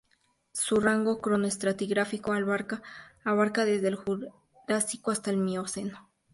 Su rango cronoestratigráfico abarca desde el Jurásico hasta el Mioceno.